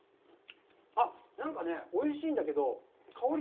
あっ、なんかね、おいしいんだけど、香り、